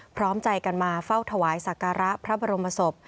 พร้อมใจกันมาเฝ้าถวายสักการะพระบรมศพ